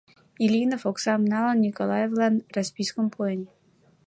«Ильинов оксам налын, Николаевлан распискым пуэн.